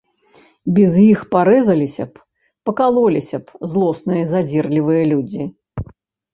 Без іх парэзаліся б, пакалоліся б злосныя, задзірлівыя людзі.